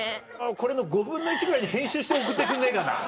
これの５分の１ぐらいに編集して送ってくんねえかな。